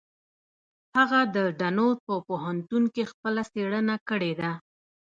هغه د ډنور په پوهنتون کې خپله څېړنه کړې ده.